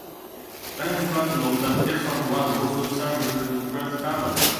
The headquarters of the district was also stationed in Kazan.